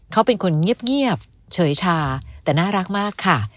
เขาเป็นคนเงียบเฉยชาแต่น่ารักมากค่ะ